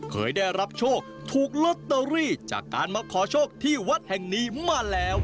เคยได้รับโชคถูกลอตเตอรี่จากการมาขอโชคที่วัดแห่งนี้มาแล้ว